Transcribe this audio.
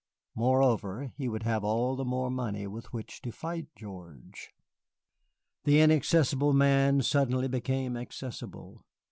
Moreover, he would have all the more money with which to fight George. The inaccessible Man suddenly became accessible.